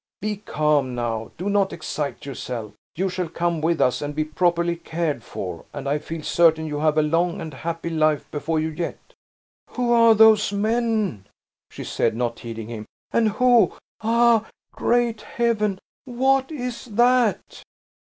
Be calm, now; do not excite yourself. You shall come with us, and be properly cared for; and I feel certain you have a long and happy life before you yet." "Who are those men?" she said, not heeding him, "and who ah, great Heaven! What is that?"